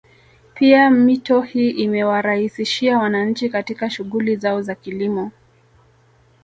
Pia mito hii imewaraisishia wananchi katika shughuli zao za kilimo